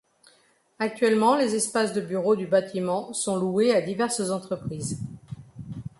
Actuellement, les espaces de bureaux du bâtiment sont loués à diverses entreprises.